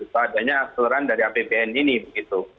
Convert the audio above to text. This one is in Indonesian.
padahal asuran dari apbn ini begitu